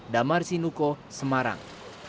damar sinuko semarang